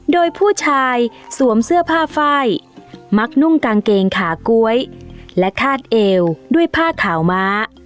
โดยผู้ชายสวมเสื้อผ้าไฟมักนุ่งกางเกงขาก๊วยและคาดเอวด้วยผ้าขาวม้า